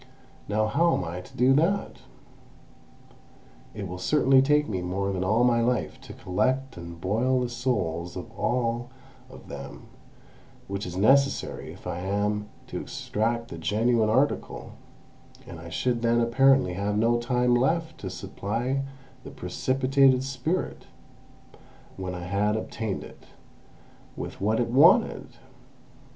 Now how am I to do that? It will certainly take me more than all my life to collect and boil the souls of all of them, which is necessary if I am to extract the genuine article, and I should then apparently have no time left to supply the precipitated spirit, when I had obtained it, with what it wanted!